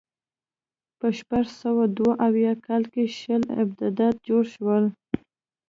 په شپږ سوه دوه اویا کال کې شل ابدات جوړ شوي.